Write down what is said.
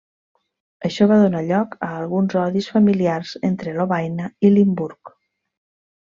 Això va donar lloc a alguns odis familiars entre Lovaina i Limburg.